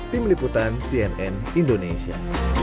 tim liputan cnn indonesia